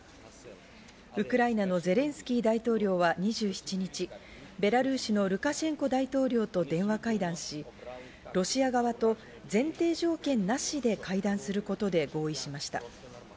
ウクライナのゼレンスキー大統領は２７日、ベラルーシのルカシェンコ大統領と電話会談し、ロシア側と前提条件なしで会談することで合意しました。